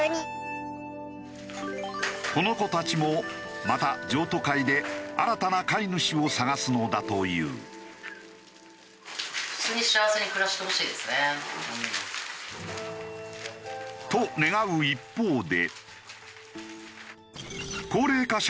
この子たちもまた譲渡会で新たな飼い主を探すのだという。と願う一方で。